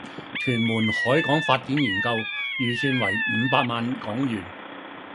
屯門海港發展研究，預算為五百萬港元